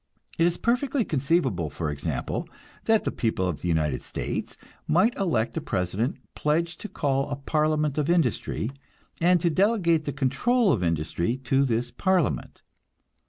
It is perfectly conceivable, for example, that the people of the United States might elect a president pledged to call a parliament of industry, and to delegate the control of industry to this parliament.